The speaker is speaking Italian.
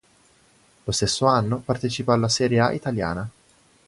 Lo stesso anno, partecipa alla Serie A italiana.